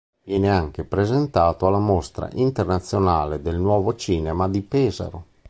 Viene anche presentato alla Mostra internazionale del Nuovo Cinema di Pesaro.